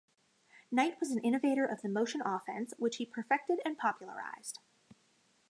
Knight was an innovator of the motion offense, which he perfected and popularized.